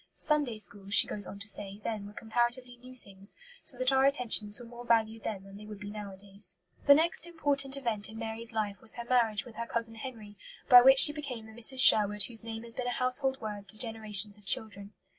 "Sunday schools," she goes on to say, "then were comparatively new things, so that our attentions were more valued then than they would be nowadays." The next important event in Mary's life was her marriage with her cousin Henry, by which she became the "Mrs. Sherwood" whose name has been a household word to generations of children.